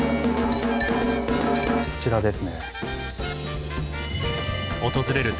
こちらですね。